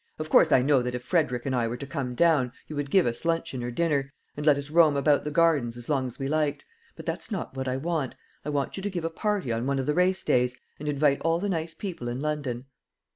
"Of course, I know that if Frederick and I were to come down, you would give us luncheon or dinner, and let us roam about the gardens as long as we liked. But that's not what I want. I want you to give a party on one of the race days, and invite all the nice people in London."